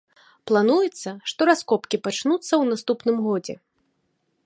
Плануецца, што раскопкі пачнуцца ў наступным годзе.